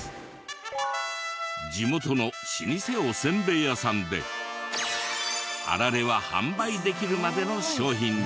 地元の老舗おせんべい屋さんであられは販売できるまでの商品に。